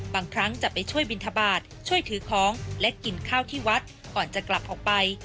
ครั้งจะไปช่วยบินทบาทช่วยถือของและกินข้าวที่วัดก่อนจะกลับออกไป